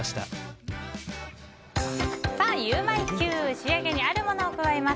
仕上げにあるものを加えます。